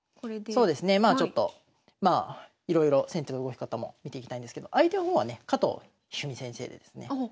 そうですねまあちょっといろいろ先手の動き方も見ていきたいんですけど相手の方はね加藤一二三先生でですね